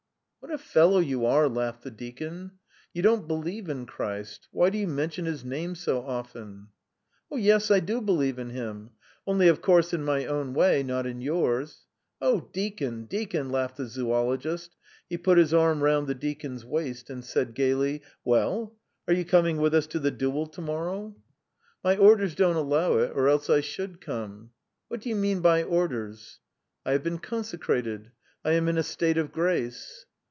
"What a fellow you are!" laughed the deacon. "You don't believe in Christ. Why do you mention His name so often?" "Yes, I do believe in Him. Only, of course, in my own way, not in yours. Oh, deacon, deacon!" laughed the zoologist; he put his arm round the deacon's waist, and said gaily: "Well? Are you coming with us to the duel to morrow?" "My orders don't allow it, or else I should come." "What do you mean by 'orders'?" "I have been consecrated. I am in a state of grace."